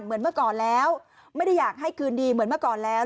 เหมือนเมื่อก่อนแล้วไม่ได้อยากให้คืนดีเหมือนเมื่อก่อนแล้ว